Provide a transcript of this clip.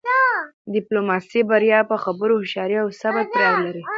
د ډیپلوماسی بریا په خبرو، هوښیارۍ او صبر پورې اړه لری.